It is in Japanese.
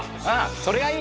それがいい！